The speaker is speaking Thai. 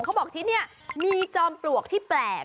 เขาบอกที่นี่มีจอมปลวกที่แปลก